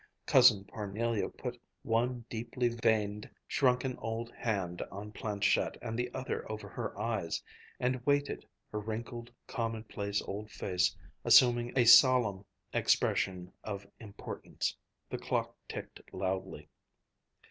Cousin Parnelia put one deeply veined, shrunken old hand on planchette and the other over her eyes and waited, her wrinkled, commonplace old face assuming a solemn expression of importance. The clock ticked loudly.